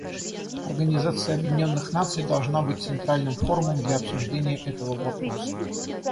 Организация Объединенных Наций должна быть центральным форумом для обсуждения этого вопроса.